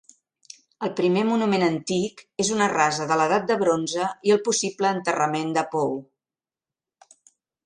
El primer monument antic és una rasa de l'edat de bronze i el possible enterrament de pou.